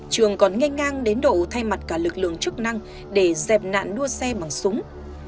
trường còn nghe ngang đến độ thay mặt cả lực lượng chức năng để dẹp nạn đua xe bằng súng